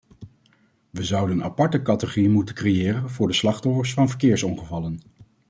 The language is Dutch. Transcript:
We zouden een aparte categorie moeten creëren voor de slachtoffers van verkeersongevallen.